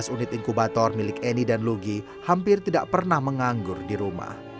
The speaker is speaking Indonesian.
empat belas unit inkubator milik annie dan lugie hampir tidak pernah menganggur di rumah